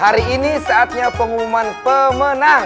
hari ini saatnya pengumuman pemenang